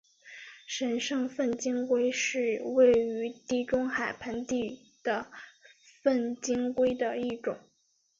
神圣粪金龟是位于地中海盆地的粪金龟的一种。